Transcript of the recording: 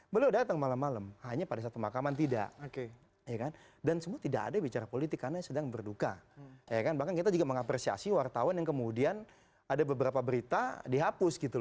beliau datang malam malam hanya pada saat pemakaman tidak ya kan dan semua tidak ada bicara politik karena sedang berduka ya kan bahkan kita juga mengapresiasi wartawan yang kemudian ada beberapa berita dihapus gitu loh terkait dengan ucapannya pak prabowo gitu